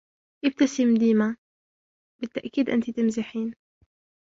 ابتسم ديما: " بالتأكيد ، أنت تمزحين! "